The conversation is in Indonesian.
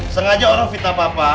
sengaja orang fitnah papa